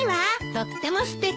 とってもすてきよ。